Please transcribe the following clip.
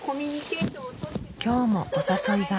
今日もお誘いが。